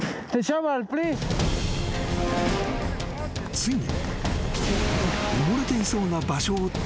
［ついに］